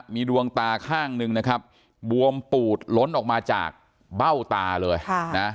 มีดวงตาข้างหนึ่งนะครับบวมปูดล้นออกมาจากเบ้าตาเลยนะ